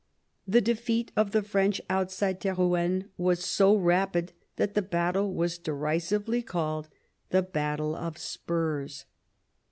The defeat of the French outside Terou enne was so rapid that the battle was derisively called the Battle of Spurs.